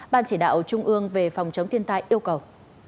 ban chỉ đạo trung ương về phòng chống thiên tai yêu cầu